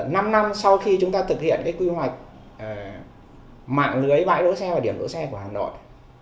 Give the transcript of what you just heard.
năm năm sau khi chúng ta thực hiện cái quy hoạch mạng lưới bãi đỗ xe và điểm đỗ xe của hà nội